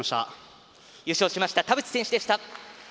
優勝しました田渕選手でした。